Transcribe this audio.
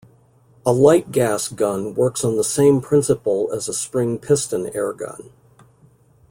A light-gas gun works on the same principle as a spring piston airgun.